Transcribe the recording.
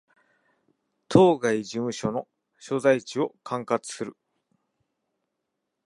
当該事務所の所在地を管轄する